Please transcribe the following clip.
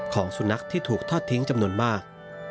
ของสุนัขที่ถูกทอดทิ้งจำนวนมาก